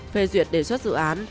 phê duyệt đề xuất dự án